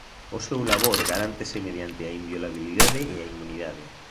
O seu labor garántese mediante a inviolabilidade e a inmunidade.